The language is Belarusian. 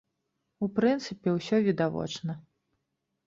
У прынцыпе, усё відавочна.